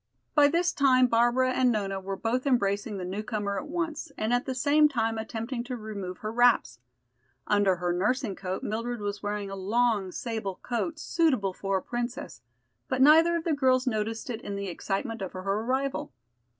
By this time Barbara and Nona were both embracing the newcomer at once, and at the same time attempting to remove her wraps. Under her nursing coat Mildred was wearing a long sable coat, suitable for a princess, but neither of the girls noticed it in the excitement of her arrival.